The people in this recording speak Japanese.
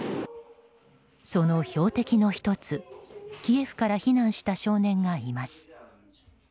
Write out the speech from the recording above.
その標的の１つ、キエフから避難した少年がいます。